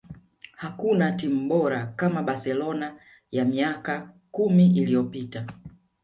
hakuna timu bora kama barcelona ya miaka kumi iliyopita